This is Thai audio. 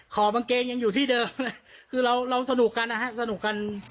ขอกางเกงยังอยู่ที่เดิมเลยคือเราสนุกกันนะฮะสนุกกัน